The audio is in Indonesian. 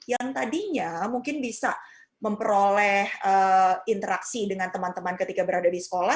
jadi ke anak yang tadinya mungkin bisa memperoleh interaksi dengan teman teman ketika berada di sekolah